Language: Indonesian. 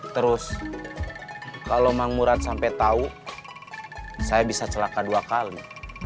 terus kalau mangurat sampai tahu saya bisa celaka dua kali